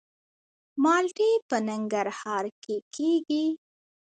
مالټې په ننګرهار کې کیږي